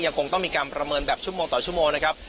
คงต้องมีการประเมินแบบชั่วโมงต่อชั่วโมงนะครับ